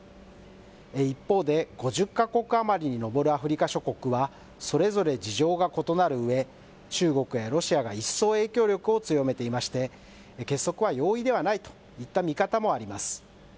一方で５０か国余りに上るアフリカ諸国はそれぞれ事情が異なるうえ、中国やロシアが一層影響力を強めていまして、結束は容易ではないといった見方もあります。